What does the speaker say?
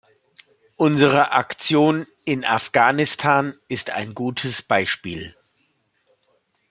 Unsere Aktion in Afghanistan ist ein gutes Beispiel.